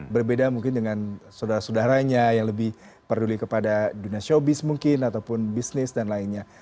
berbeda mungkin dengan saudara saudaranya yang lebih peduli kepada dunia showbiz mungkin ataupun bisnis dan lainnya